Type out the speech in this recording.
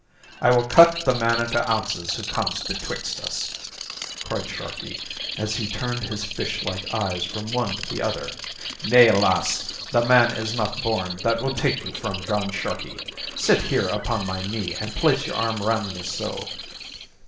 "I will cut the man into ounces who comes betwixt us!" cried Sharkey, as he turned his fish like eyes from one to the other. "Nay, lass, the man is not born that will take you from John Sharkey. Sit here upon my knee, and place your arm round me so.